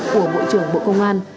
của bộ trưởng bộ công an